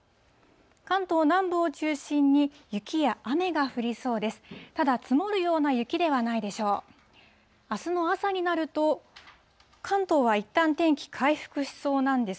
関東南部を中心に雪や雨が降りそうです。